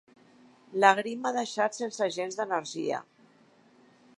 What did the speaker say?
La grip m'ha deixat sense gens d'energia.